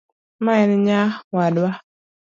Mae en nyawadwa.